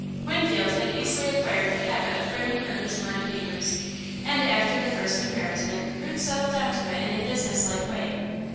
Winfield had easily acquired the habit of bringing her his morning papers, and, after the first embarrassment, Ruth settled down to it in a businesslike way.